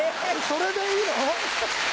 それでいいの？